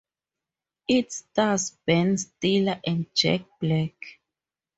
It stars Ben Stiller and Jack Black.